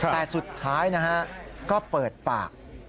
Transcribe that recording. แต่สุดท้ายนะฮะก็เปิดปาก